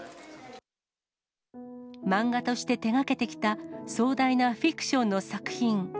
漫画として手がけてきた壮大なフィクションの作品。